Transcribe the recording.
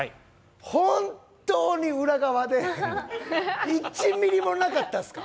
本当に裏側で１ミリもなかったっすか？